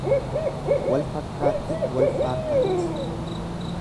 Wal fakkaattiin walfaarfatti.